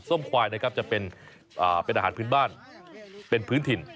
ส้มขวายจะเป็นอาหารพื้นบ้านเป็นพื้นถิ่น